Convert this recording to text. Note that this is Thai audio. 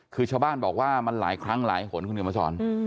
คือชาวบ้านบอกว่ามันหลายครั้งหลายหนคุณเขียนมาสอน